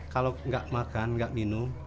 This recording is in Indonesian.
kalau gak makan gak minum